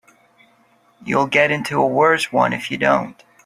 You'll get into a worse one if you don't.